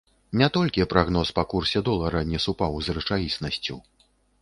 Не толькі прагноз па курсе долара не супаў з рэчаіснасцю.